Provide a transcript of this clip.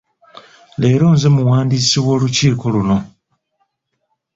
Leero nze muwandiisi w'olukiiko luno.